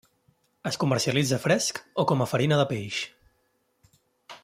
Es comercialitza fresc o com a farina de peix.